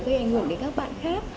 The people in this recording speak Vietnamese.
gây ảnh hưởng đến các bạn khác